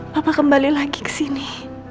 bapak kembali lagi ke sini